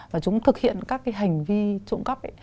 và chúng thực hiện các hành vi trộm cắp